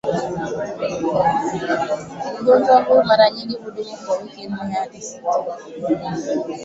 Ugonjwa huu mara nyingi hudumu kwa wiki nne hadi sita